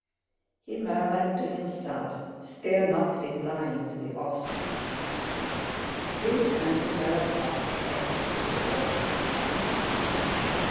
he murmured to himself, still not replying to the Austrian. Prince Andrew galloped off to execute the order.